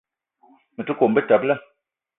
Me te kome betebela.